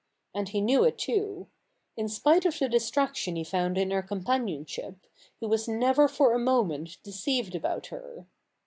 And he knew it too. In spite of the distraction he found in her companionship, he was never for a moment deceived about her.